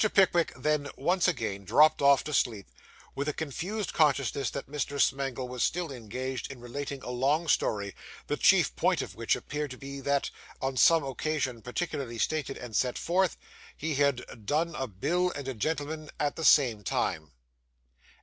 Pickwick then once again dropped off to sleep, with a confused consciousness that Mr. Smangle was still engaged in relating a long story, the chief point of which appeared to be that, on some occasion particularly stated and set forth, he had 'done' a bill and a gentleman at the same time.